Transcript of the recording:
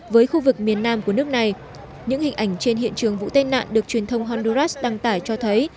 với khu vực miền nam của nước này những hình ảnh trên hiện trường vụ tai nạn được truyền thông honduras đăng tải cho thấy